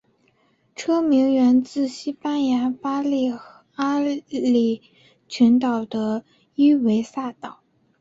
车名源自西班牙巴利阿里群岛的伊维萨岛。